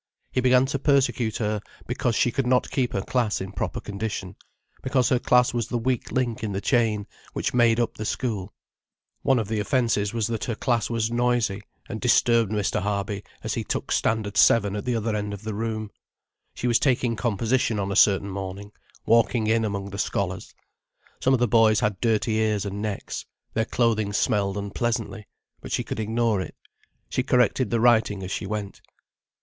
He began to persecute her because she could not keep her class in proper condition, because her class was the weak link in the chain which made up the school. One of the offences was that her class was noisy and disturbed Mr. Harby, as he took Standard Seven at the other end of the room. She was taking composition on a certain morning, walking in among the scholars. Some of the boys had dirty ears and necks, their clothing smelled unpleasantly, but she could ignore it. She corrected the writing as she went.